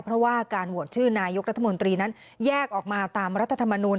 เพราะว่าการโหวตชื่อนายกรัฐมนตรีนั้นแยกออกมาตามรัฐธรรมนูล